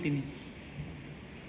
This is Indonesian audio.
v vibrant media juga jelaskan bahwa